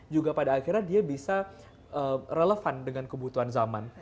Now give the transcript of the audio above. juga pada akhirnya dia bisa relevan dengan kebutuhan zaman